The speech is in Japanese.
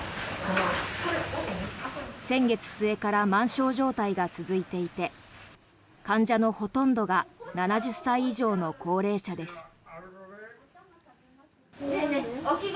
先月末から満床状態が続いていて患者のほとんどが７０歳以上の高齢者です。